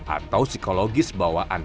atau psikologis bawaan